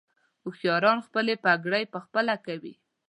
هوښیاران خپلې پرېکړې په خپله کوي.